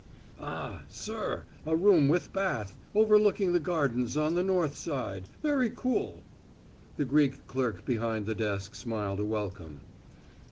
"Ah, sir, a room with bath, overlooking the gardens on the north side very cool." The Greek clerk behind the desk smiled a welcome.